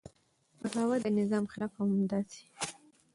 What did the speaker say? بغاوت د نظام خلاف او همداسې